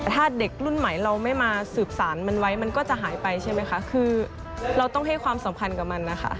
ถ้าเด็กรุ่นใหม่เราไม่มาสืบสารมันไว้มันก็จะหายไปใช่ไหมคะคือเราต้องให้ความสำคัญกับมันนะคะ